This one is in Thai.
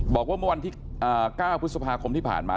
บอกว่าเมื่อวันที่๙พฤษภาคมที่ผ่านมา